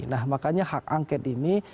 nah makanya hak angket ini